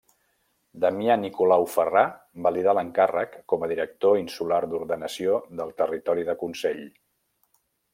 Damià Nicolau Ferrà validà l'encàrrec com a director insular d'Ordenació del Territori del Consell.